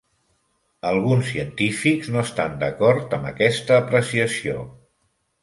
Alguns científics no estan d'acord amb aquesta apreciació.